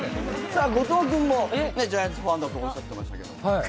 後藤君もジャイアンツファンだとおっしゃってましたけど。